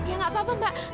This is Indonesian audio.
ya gak apa apa mbak